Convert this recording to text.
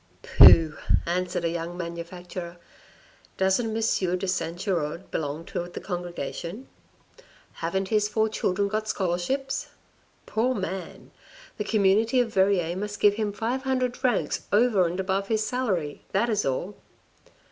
" Pooh !" answered a young manufacturer, " doesn't M. de St. Giraud belong to the congregation? Haven't his four 158 THE RED AND THE BLACK children got scholarships ? poor man ! The community of Verrieres must give him five hundred francs over and above his salary, that is all."